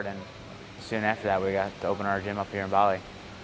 dan segera setelah itu kami dapat membuka gym di bali